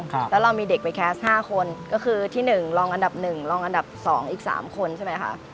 ค่ะแล้วเรามีเด็กไปแคสต์ห้าคนก็คือที่หนึ่งรองอันดับหนึ่งรองอันดับสองอีกสามคนใช่ไหมคะ